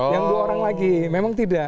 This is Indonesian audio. yang dua orang lagi memang tidak